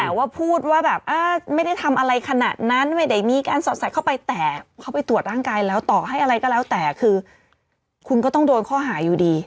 แต่ว่าพูดว่าแบบไม่ได้ทำอะไรขนาดนั้นไม่ได้มีการสอดใส่เข้าไปแต่เขาไปตรวจร่างกายแล้วต่อให้อะไรก็แล้วแต่คือคุณก็ต้องโดนข้อหาอยู่ดี